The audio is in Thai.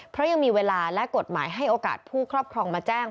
เพราะยังมีเวลาและกฎหมายให้โอกาสผู้ครอบครองมาแจ้ง